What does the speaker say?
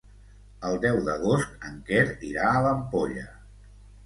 El deu d'agost en Quer irà a l'Ampolla.